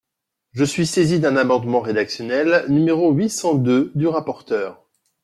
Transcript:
Je suis saisi d’un amendement rédactionnel numéro huit cent deux du rapporteur.